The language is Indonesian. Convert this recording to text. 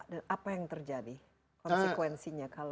dan apa yang terjadi konsekuensinya kalau tidak